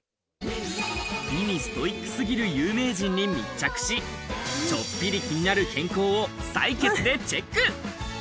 美にストイックすぎる有名人に密着し、ちょっぴり気になる健康を採血でチェック。